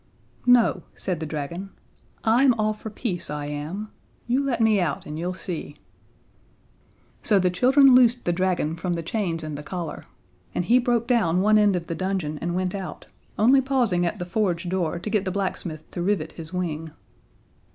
"No," said the dragon; "I'm all for peace, I am. You let me out, and you'll see." So the children loosed the dragon from the chains and the collar, and he broke down one end of the dungeon and went out only pausing at the forge door to get the blacksmith to rivet his wing.